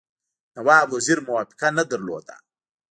نواب وزیر موافقه نه درلوده.